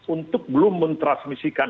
untuk belum mentransmisikan